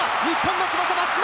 日本の翼・松島！